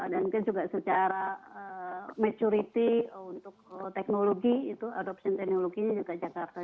dan juga secara maturity untuk teknologi itu adoption teknologinya juga jakarta